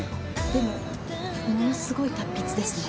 でもものすごい達筆ですね。